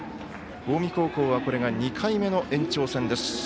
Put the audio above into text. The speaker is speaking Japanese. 近江高校はこれが２回目の延長戦です。